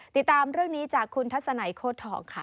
ติดตามเรื่องนี้จากคุณทัศนัยโค้ดทองค่ะ